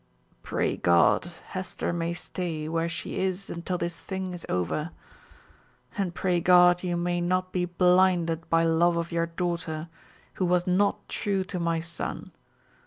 "Pray God Hester may stay where she is until this thing is over. And pray God you may not be blinded by love of your daughter, who was not true to my son.